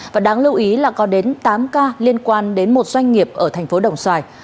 và đáng lưu ý là có đến tám ca liên quan đến một doanh nghiệp ở thành phố đồng xoài